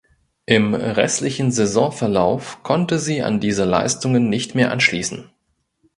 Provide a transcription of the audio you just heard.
Im restlichen Saisonverlauf konnte sie an diese Leistungen nicht mehr anschließen.